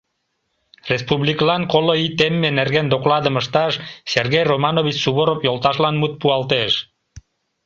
Республикылан коло ий темме нерген докладым ышташ Сергей Романович Суворов йолташлан мут пуалтеш.